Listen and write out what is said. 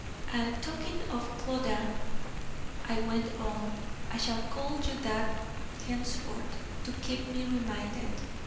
'And talking of Clodagh,' I went on, 'I shall call you that henceforth, to keep me reminded.